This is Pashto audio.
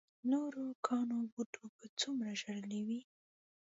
نورو کاڼو بوټو به څومره ژړلي وي.